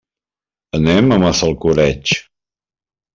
Anem a Massalcoreig.